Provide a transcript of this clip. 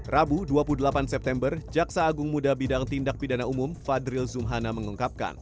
rabu dua puluh delapan september jaksa agung muda bidang tindak pidana umum fadril zumhana mengungkapkan